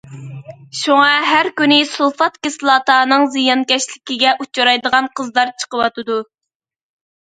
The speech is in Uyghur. شۇڭا ھەر كۈنى سۇلفات كىسلاتانىڭ زىيانكەشلىكىگە ئۇچرايدىغان قىزلار چىقىۋاتىدۇ.